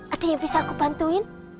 ada yang bisa aku bantuin